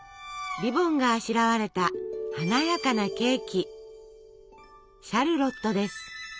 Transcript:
リボンがあしらわれた華やかなケーキ。